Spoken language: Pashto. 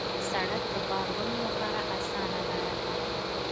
سړک د بار وړلو لپاره اسانه لاره ده.